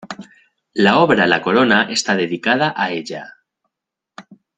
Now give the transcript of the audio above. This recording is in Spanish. La obra "La Corona" está dedicada a ella.